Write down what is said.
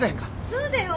そうだよ。